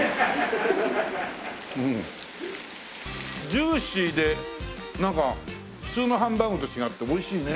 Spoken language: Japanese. ジューシーでなんか普通のハンバーグと違っておいしいね。